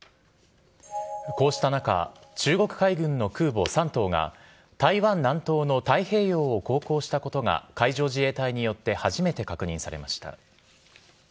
こうした中中国海軍の空母「山東」が台湾南東の太平洋を航行したことが海上自衛隊によって初めて確認されました。